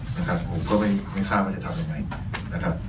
นะครับผมก็ไม่ไม่ทราบว่าจะทำยังไงนะครับ